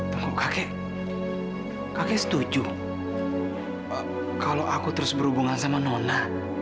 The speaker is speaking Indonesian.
tunggu kakak kakak setuju kalau aku terus berhubungan sama nona